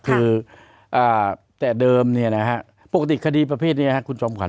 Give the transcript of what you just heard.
คือแต่เดิมปกติคดีประเภทนี้คุณจอมขวั